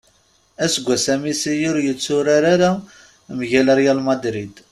Aseggas-a Messi ur yetturar ara mgal Real Madrid.